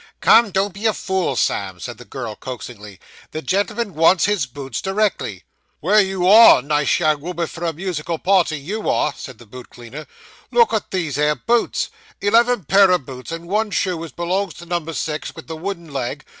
'Come, don't be a fool, Sam,' said the girl coaxingly, 'the gentleman wants his boots directly.' 'Well, you are a nice young 'ooman for a musical party, you are,' said the boot cleaner. 'Look at these here boots eleven pair o' boots; and one shoe as belongs to number six, with the wooden leg.